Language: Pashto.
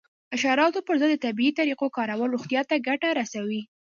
د حشراتو پر ضد د طبیعي طریقو کارول روغتیا ته ګټه رسوي.